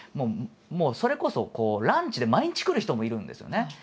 もうそれこそランチで毎日来る人もいるんですよね。